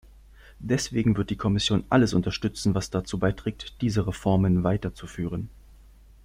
Deswegen wird die Kommission alles unterstützen, was dazu beiträgt, diese Reformen weiterzuführen.